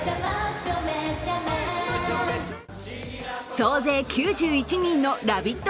総勢９１人のラヴィット！